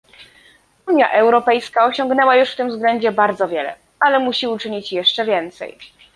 Unia Europejska osiągnęła już w tym względzie bardzo wiele, ale musi uczynić jeszcze więcej